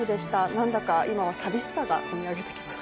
なんだか今はさみしさがこみ上げてきます。